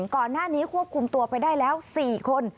ก่อนหน้านี้ควบคุมตัวไปได้แล้ว๔คน